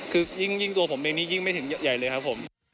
คือยิ่งตัวผมเองนี่ยิ่งไม่ถึงใหญ่เลยครับผม